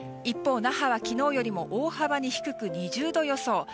一方、那覇は昨日よりも大幅に低く２０度予想。